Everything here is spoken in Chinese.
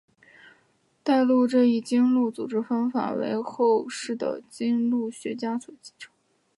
代录这一经录组织方法为后世的经录学家所继承。